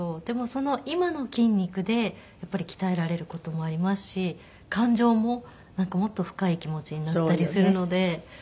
でもその今の筋肉でやっぱり鍛えられる事もありますし感情ももっと深い気持ちになったりするので。